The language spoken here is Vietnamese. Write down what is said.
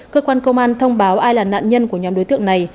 cơ quan công an thông báo ai là nạn nhân của nhóm đối tượng này